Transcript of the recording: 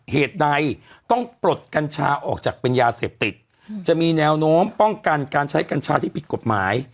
เหตุใดต้องปลดกัญชาออกจากเป็นยาเสพติดจะมีแนวโน้มป้องกันการใช้กัญชาที่ผิดกฎหมาย